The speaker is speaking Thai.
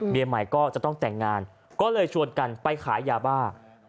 ใหม่ก็จะต้องแต่งงานก็เลยชวนกันไปขายยาบ้า